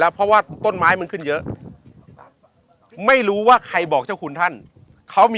เพราะว่าต้นไม้มันขึ้นเยอะไม่รู้ว่าใครบอกเจ้าคุณท่านเขามี